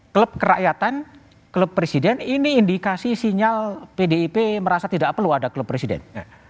klub kerakyatan klub presiden ini indikasi sinyal pdip merasa tidak perlu ada klub presiden